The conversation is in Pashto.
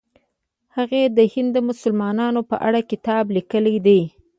هغې د هند د مسلمانانو په اړه کتاب لیکلی دی.